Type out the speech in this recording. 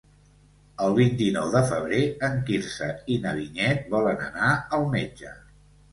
El vint-i-nou de febrer en Quirze i na Vinyet volen anar al metge.